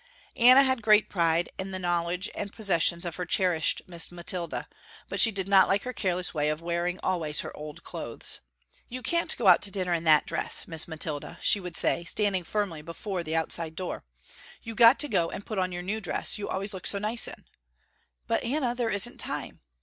Anna had great pride in the knowledge and possessions of her cherished Miss Mathilda, but she did not like her careless way of wearing always her old clothes. "You can't go out to dinner in that dress, Miss Mathilda," she would say, standing firmly before the outside door, "You got to go and put on your new dress you always look so nice in." "But Anna, there isn't time."